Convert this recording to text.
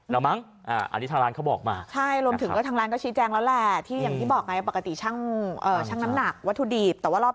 นะฮะก็ค่อนข้างที่จะหนักหน่วงเหมือนกันแหละครับ